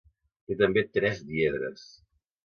Té també tres diedres.